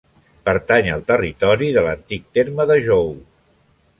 Pertany al territori de l'antic terme de Jou.